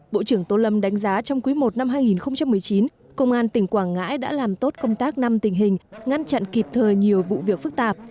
bộ trưởng tô lâm đánh giá trong quý i năm hai nghìn một mươi chín công an tỉnh quảng ngãi đã làm tốt công tác năm tình hình ngăn chặn kịp thời nhiều vụ việc phức tạp